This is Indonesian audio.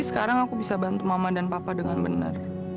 sekarang aku bisa bantu mama dan papa dengan benar